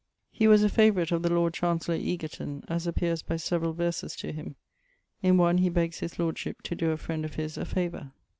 He was a favourite of the Lord Chancellor Egerton, as appeares by severall verses to him. In one he begges his lordship to doe a friend of his a favour.